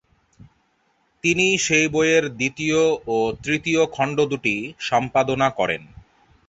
তিনি সেই বইয়ের দ্বিতীয় ও তৃতীয় খণ্ড-দুটি সম্পাদনা করেন।